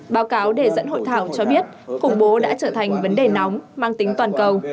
báo cáo đề dẫn hội thảo cho biết khủng bố đã trở thành vấn đề nóng mang tính toàn cầu